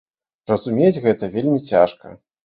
Разумець гэта вельмі цяжка.